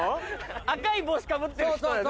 赤い帽子かぶってる人よね？